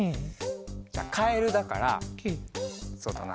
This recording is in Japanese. じゃあカエルだからそうだな。